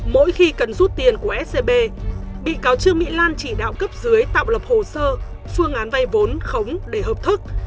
mỗi khi cần rút tiền của scb bị cáo trương mỹ lan chỉ đạo cấp dưới tạo lập hồ sơ phương án vay vốn khống để hợp thức